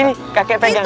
ini kakek pegang